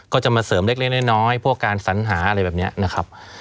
ก็จะมาเสริมเล็กน้อยพวกการสัญหาอะไรแบบนี้นะครับ